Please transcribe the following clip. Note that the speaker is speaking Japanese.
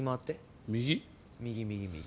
右右右